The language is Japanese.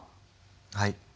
はい。